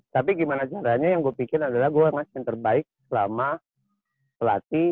tapi gimana caranya yang gue pikir adalah gue ngasih yang terbaik selama pelatih